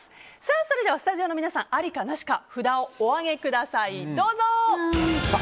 それではスタジオの皆さんありかなしか札をお上げください。